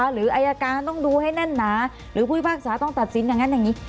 หรืออายการต้องดูให้แน่นหนาหรือผู้พิพากษาต้องตัดสินอย่างนั้นอย่างนี้